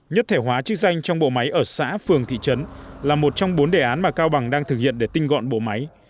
nhất thể hóa chức danh trong bộ máy ở xã phường thị trấn là một trong bốn đề án mà cao bằng đang thực hiện để tinh gọn bộ máy